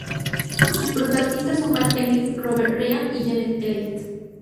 Su protagonistas son Van Heflin, Robert Ryan, y Janet Leigh.